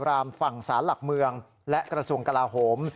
รามฝั่งศาลหลักเมืองและกระทรวงกลาโหม